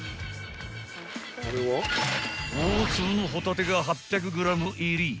［大粒のホタテが８００ｇ入り］